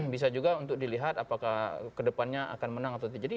bisa juga untuk dilihat apakah kedepannya akan menang atau tidak